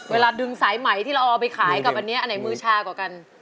เวลาดึงสายไหมที่เราเอาไปขายกับอันนี้อันไหนมือชากว่ากัน